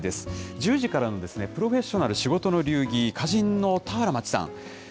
１０時からのプロフェッショナル仕事の流儀、歌人の俵万智さん。